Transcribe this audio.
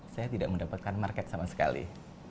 saya tidak mendapatkan market sama sekali